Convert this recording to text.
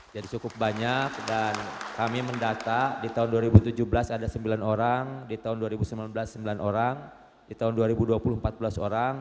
cukup banyak dan kami mendata di tahun dua ribu tujuh belas ada sembilan orang di tahun dua ribu sembilan belas sembilan orang di tahun dua ribu dua puluh empat belas orang